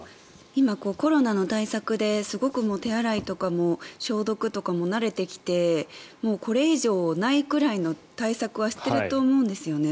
今、コロナの対策ですごく手洗いとか消毒とかも慣れてきてこれ以上ないくらいの対策はしていると思うんですよね。